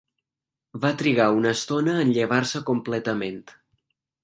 Va trigar una estona en llevar-se completament.